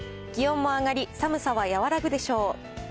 気温も上がり、寒さは和らぐでしょう。